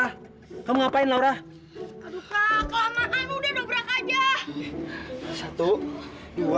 aduh kak kelamangan udah dobrak aja